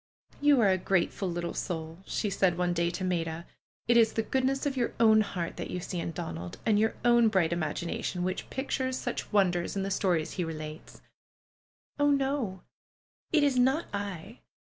^^You are a grateful little soull'^ she said one day to Maida. ^Ht is the goodness of your own heart that you see in Donald, and your own. bright imagination which pictures such wonders in the stories he relates V* Oh, no ! It is not I.